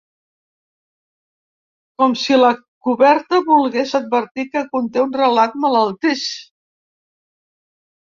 Com si la coberta volgués advertir que conté un relat malaltís.